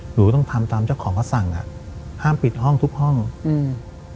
หนูต้องทำตามเจ้าของเขาสั่งอ่ะห้ามปิดห้องทุกห้องอืม